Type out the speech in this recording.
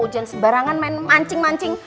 hujan sembarangan main mancing mancing